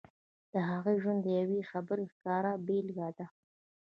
د هغې ژوند د يوې خبرې ښکاره بېلګه ده.